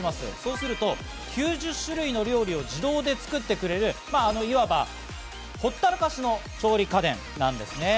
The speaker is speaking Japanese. すると９０種類の料理を自動で作ってくれる、まぁ、いわばほったらかしの調理家電なんですね。